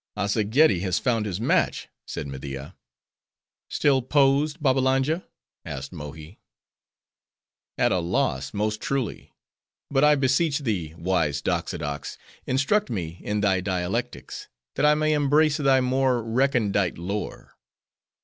"Azzageddi has found his match," said Media. "Still posed, Babbalanja?" asked Mohi. "At a loss, most truly! But I beseech thee, wise Doxodox! instruct me in thy dialectics, that I may embrace thy more recondite lore."